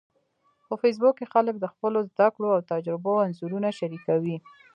په فېسبوک کې خلک د خپلو زده کړو او تجربو انځورونه شریکوي